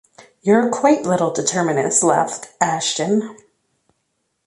"You're a quaint little determinist," laughed Ashton.